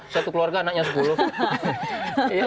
satu keluarga anaknya sepuluh